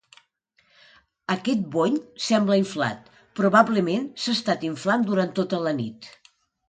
Aquest bony sembla inflat. Probablement s'ha estat inflant durant tota la nit.